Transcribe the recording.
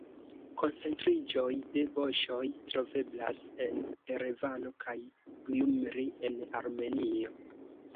Koncentriĝoj de boŝoj troveblas en Erevano kaj Gjumri en Armenio.